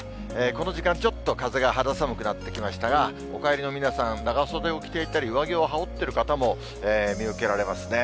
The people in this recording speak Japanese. この時間、ちょっと風が肌寒くなってきましたが、お帰りの皆さん、長袖を着ていたり、上着を羽織っている方も見受けられますね。